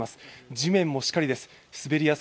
地面もしかりです。